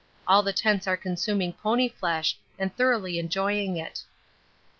All the tents are consuming pony flesh and thoroughly enjoying it.